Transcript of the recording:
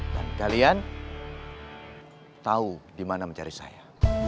dan kalian tahu dimana mencari saya